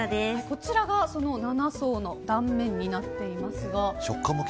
こちらがその７層の断面になっています。